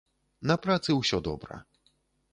На працы ўсё добра.